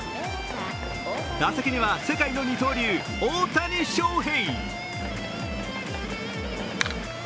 打席には世界の二刀流大谷翔平。